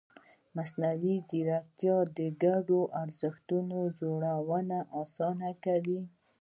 مصنوعي ځیرکتیا د ګډو ارزښتونو جوړونه اسانه کوي.